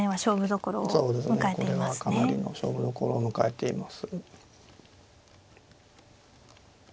これはかなりの勝負どころを迎えています。